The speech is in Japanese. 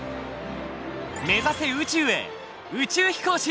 目指せ宇宙へ宇宙飛行士！